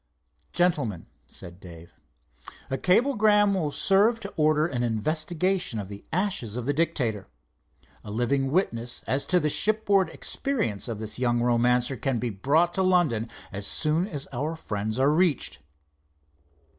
"Gentlemen," said Dave, "a cablegram will serve to order an investigation of the ashes of the Dictator. A living witness as to the shipboard experience of this young romancer can be brought to London as soon as our friends are reached."